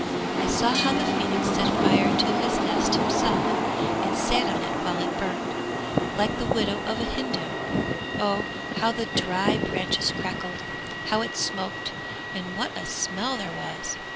I saw how the phoenix set fire to his nest himself and sat on it while it burnt, like the widow of a Hindoo. Oh, how the dry branches crackled, how it smoked, and what a smell there was!